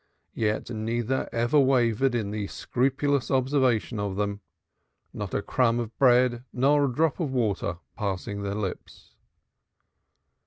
Yet neither ever wavered in the scrupulous observance of them, not a crumb of bread nor a drop of water passing their lips.